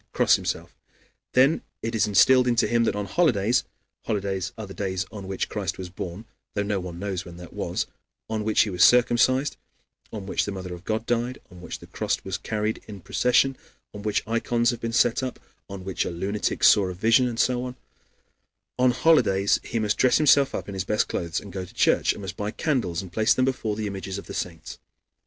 cross himself. Then it is instilled into him that on holidays (holidays are the days on which Christ was born, though no one knows when that was, on which he was circumcised, on which the Mother of God died, on which the cross was carried in procession, on which ikons have been set up, on which a lunatic saw a vision, and so on) on holidays he must dress himself in his best clothes and go to church, and must buy candles and place them there before the images of the saints.